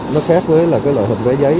nó khác với là cái loại hợp vé giấy